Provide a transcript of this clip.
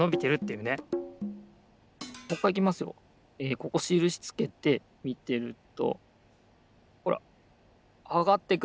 ここしるしつけてみてるとほらあがってく。